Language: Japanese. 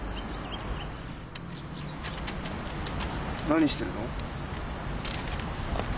何してるの？